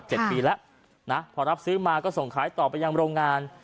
ปีแล้วนะพอรับซื้อมาก็ส่งขายต่อไปยังโรงงาน